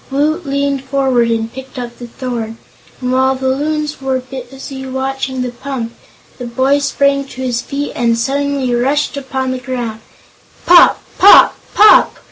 Woot leaned forward and picked up the thorn, and while the Loons were busy watching the pump, the boy sprang to his feet and suddenly rushed upon the group. "Pop" "pop" "pop!"